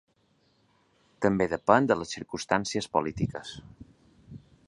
També depèn de les circumstàncies polítiques.